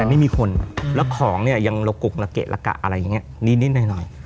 แต่ไม่มีคนอืมแล้วของเนี้ยยังละกะอะไรอย่างเงี้ยนิดนิดหน่อยหน่อย